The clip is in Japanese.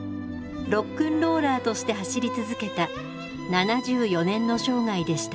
ロックンローラーとして走り続けた７４年の生涯でした。